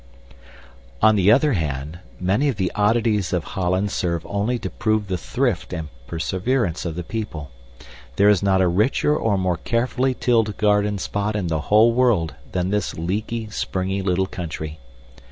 On the other hand, many of the oddities of Holland serve only to prove the thrift and perseverance of the people. There is not a richer or more carefully tilled garden spot in the whole world than this leaky, springy little country.